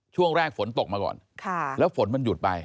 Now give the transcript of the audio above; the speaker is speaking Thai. ช่วงแรกฝนตกมาก่อนแล้วฝนมันหยุดไป